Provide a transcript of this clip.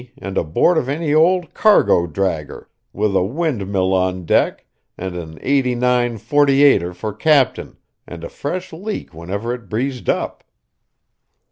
_, and aboard of any old cargo dragger, with a windmill on deck, and an eighty nine forty eighter for captain, and a fresh leak whenever it breezed up.